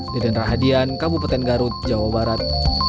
deden rahadian kabupaten garut jawa barat